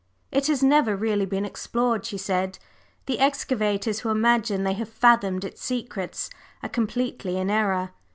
"It has never really been explored," she said. "The excavators who imagine they have fathomed its secrets are completely in error.